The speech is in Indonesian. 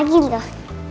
sekolah lagi loh